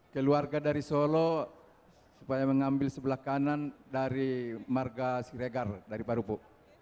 keluarga dari solo supaya mengambil sebelah kanan dari marga siregar dari parupuk